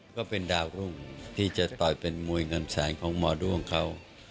ก็เป็นดาวรุ่งที่จะต่อยเป็นมวยเงินแสนของหมอด้วงเขา